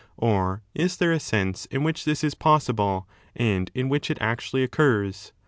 Or is there a sense in which this is possible and in which it 15 actually occurs